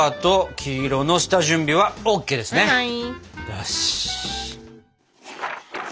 よし！